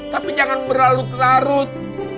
tapi jangan berlarut larut